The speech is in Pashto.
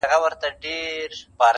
چي یې سور د میني نه وي په سینه کي-